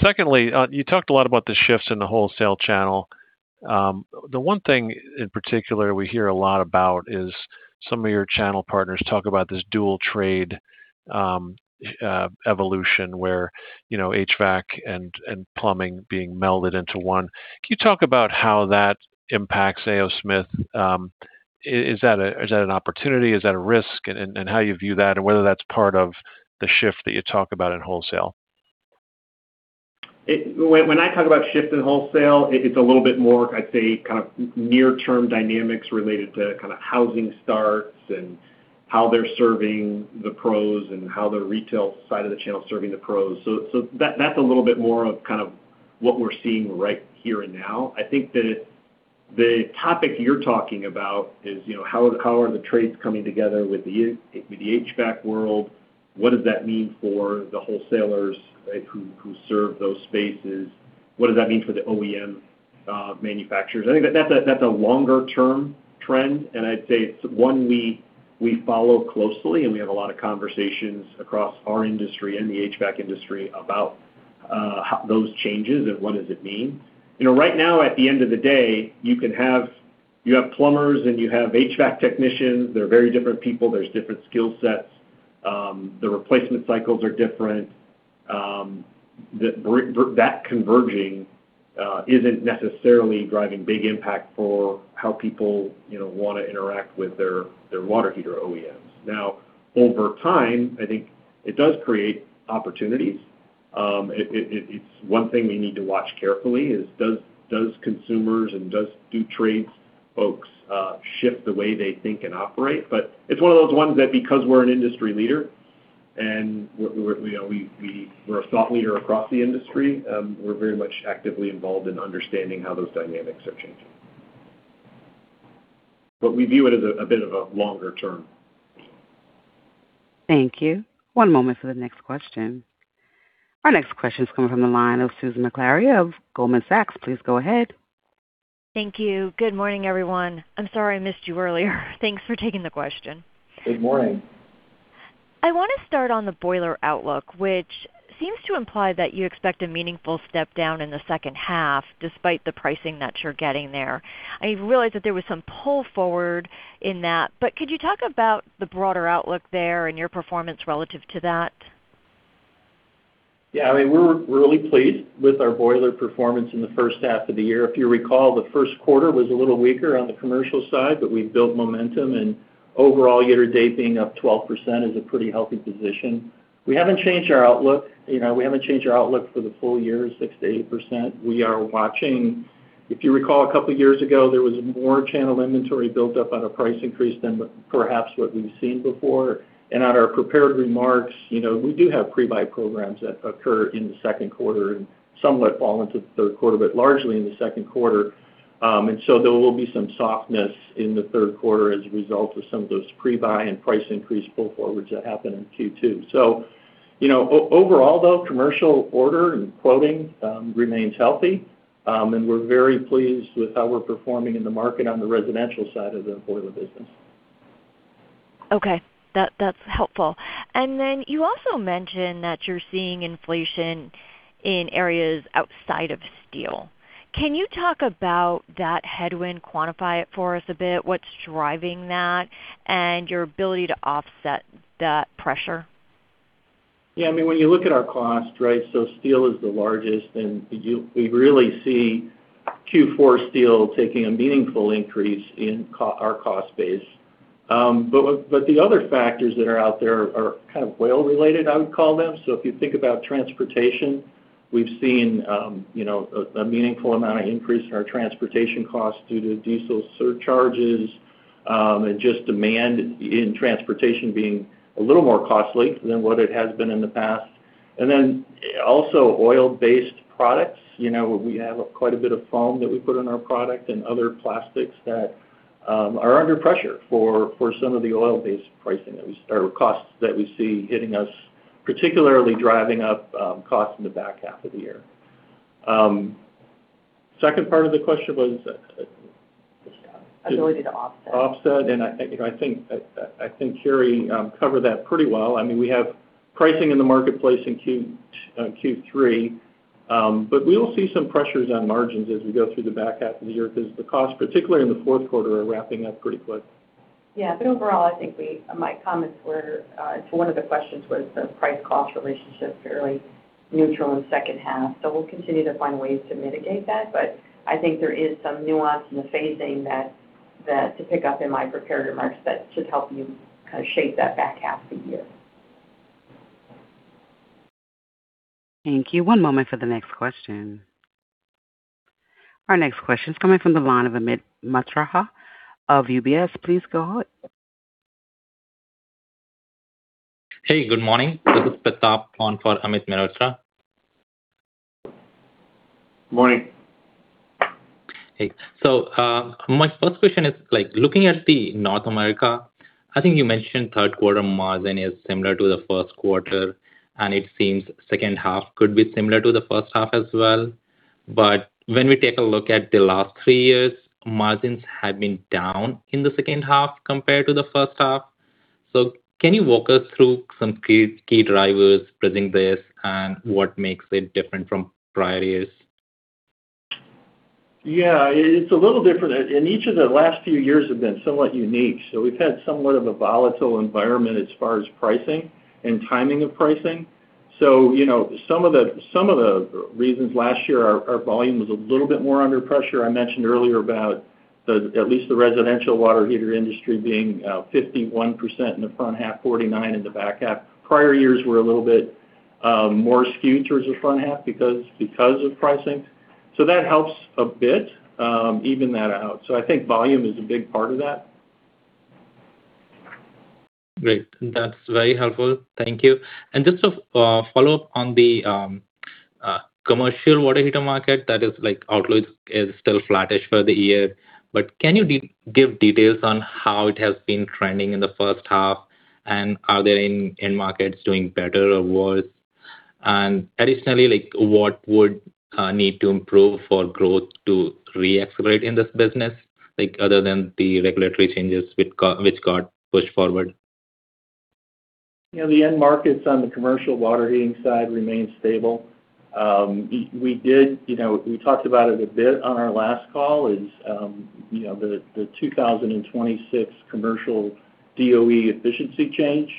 Secondly, you talked a lot about the shifts in the wholesale channel. The one thing in particular we hear a lot about is some of your channel partners talk about this dual trade evolution where HVAC and plumbing being melded into one. Can you talk about how that impacts A. O. Smith? Is that an opportunity? Is that a risk? How you view that, and whether that's part of the shift that you talk about in wholesale. When I talk about shift in wholesale, it's a little bit more, I'd say, kind of near term dynamics related to kind of housing starts and how they're serving the pros, and how the retail side of the channel is serving the pros. That's a little bit more of kind of what we're seeing right here and now. I think that the topic you're talking about is how are the trades coming together with the HVAC world? What does that mean for the wholesalers who serve those spaces? What does that mean for the OEM manufacturers? I think that's a longer-term trend, I'd say it's one we follow closely, we have a lot of conversations across our industry and the HVAC industry about those changes and what does it mean. Right now at the end of the day, you have plumbers and you have HVAC technicians. They're very different people. There's different skill sets. The replacement cycles are different. That converging isn't necessarily driving big impact for how people want to interact with their water heater OEMs. Now, over time, I think it does create opportunities. It's one thing we need to watch carefully is does consumers and do trades folks shift the way they think and operate? It's one of those ones that because we're an industry leader and we're a thought leader across the industry, we're very much actively involved in understanding how those dynamics are changing. We view it as a bit of a longer term. Thank you. One moment for the next question. Our next question is coming from the line of Susan Maklari of Goldman Sachs. Please go ahead. Thank you. Good morning, everyone. I'm sorry I missed you earlier. Thanks for taking the question. Good morning. I want to start on the boiler outlook, which seems to imply that you expect a meaningful step down in the second half despite the pricing that you're getting there. I realize that there was some pull forward in that, but could you talk about the broader outlook there and your performance relative to that? Yeah, we're really pleased with our boiler performance in the first half of the year. If you recall, the Q1 was a little weaker on the commercial side, but we've built momentum and overall year to date being up 12% is a pretty healthy position. We haven't changed our outlook for the full year, 6%-8%. We are watching. If you recall a couple of years ago, there was more channel inventory built up on a price increase than perhaps what we've seen before. At our prepared remarks, we do have pre-buy programs that occur in the Q2 and somewhat fall into the Q3, but largely in the Q2. There will be some softness in the Q3 as a result of some of those pre-buy and price increase pull forwards that happen in Q2. Overall, though, commercial order and quoting remains healthy. We're very pleased with how we're performing in the market on the residential side of the boiler business. Okay. That's helpful. Then you also mentioned that you're seeing inflation in areas outside of steel. Can you talk about that headwind, quantify it for us a bit, what's driving that, and your ability to offset that pressure? When you look at our cost, steel is the largest, we really see Q4 steel taking a meaningful increase in our cost base. The other factors that are out there are kind of whale-related, I would call them. If you think about transportation, we've seen a meaningful amount of increase in our transportation costs due to diesel surcharges, just demand in transportation being a little more costly than what it has been in the past. Also oil-based products. We have quite a bit of foam that we put in our product and other plastics that are under pressure for some of the oil-based costs that we see hitting us, particularly driving up costs in the back half of the year. Second part of the question was? Ability to offset. Offset, I think Carrie covered that pretty well. We have pricing in the marketplace in Q3, we will see some pressures on margins as we go through the back half of the year because the costs, particularly in the Q4, are ramping up pretty quick. Overall, I think my comments to one of the questions was the price cost relationship fairly neutral in second half. We'll continue to find ways to mitigate that, but I think there is some nuance in the phasing to pick up in my prepared remarks that should help you kind of shape that back half of the year. Thank you. One moment for the next question. Our next question is coming from the line of Amit Mehrotra of UBS. Please go ahead. Hey, good morning. This is Pratap on for Amit Mehrotra. Morning. Hey. My first question is looking at the North America, I think you mentioned Q3 margin is similar to the Q1, and it seems second half could be similar to the first half as well. When we take a look at the last three years, margins have been down in the second half compared to the first half. Can you walk us through some key drivers presenting this and what makes it different from prior years? It's a little different. Each of the last few years have been somewhat unique. We've had somewhat of a volatile environment as far as pricing and timing of pricing. Some of the reasons last year our volume was a little bit more under pressure, I mentioned earlier about at least the residential water heater industry being 51% in the front half, 49% in the back half. Prior years were a little bit more skewed towards the front half because of pricing. That helps a bit even that out. I think volume is a big part of that. Great. That's very helpful. Thank you. Just a follow-up on the commercial water heater market that is outlook is still flattish for the year, can you give details on how it has been trending in the first half, are there any end markets doing better or worse? Additionally, what would need to improve for growth to re-accelerate in this business, other than the regulatory changes which got pushed forward? The end markets on the commercial water heating side remain stable. We talked about it a bit on our last call is the 2026 commercial DOE efficiency change.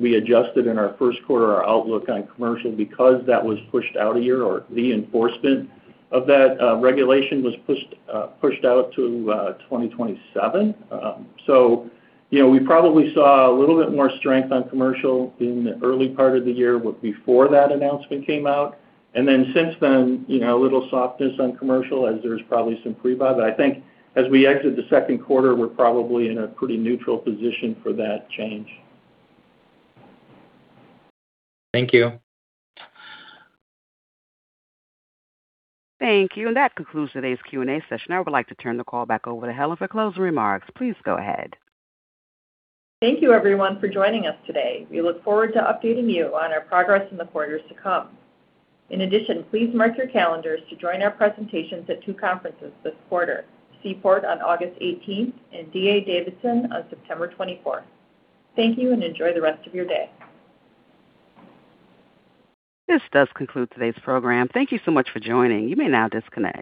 We adjusted in our Q1 our outlook on commercial because that was pushed out a year, or the enforcement of that regulation was pushed out to 2027. We probably saw a little bit more strength on commercial in the early part of the year before that announcement came out. Then since then, a little softness on commercial as there's probably some pre-buy. I think as we exit the Q2, we're probably in a pretty neutral position for that change. Thank you. Thank you. That concludes today's Q&A session. I would like to turn the call back over to Helen for closing remarks. Please go ahead. Thank you everyone for joining us today. We look forward to updating you on our progress in the quarters to come. In addition, please mark your calendars to join our presentations at two conferences this quarter, Seaport on August 18th and D.A. Davidson on September 24th. Thank you and enjoy the rest of your day. This does conclude today's program. Thank you so much for joining. You may now disconnect.